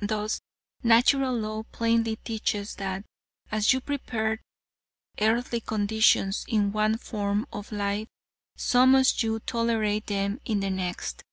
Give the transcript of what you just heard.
Thus, Natural Law plainly teaches that, as you prepare earthly conditions in one form of life, so must you tolerate them in the next.